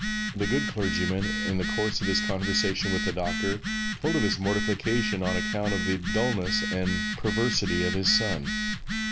The good clergyman, in the course of his conversation with the doctor, told of his mortification on account of the dulness and perversity of his son.